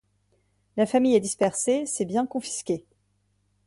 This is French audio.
La famille est dispersée, ses biens confisqués.